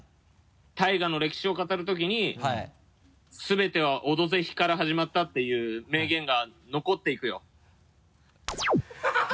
ＴＡＩＧＡの歴史を語るときに全ては「オドぜひ」から始まったていう名言が残っていくよ。